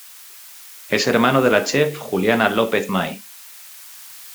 Es hermano de la chef Juliana López May.